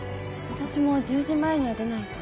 わたしも１０時前には出ないと。